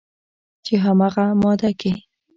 چې همغه ماده کې